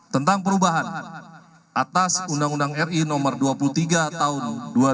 tentang perubahan atas undang undang ri no dua puluh tiga tahun dua ribu dua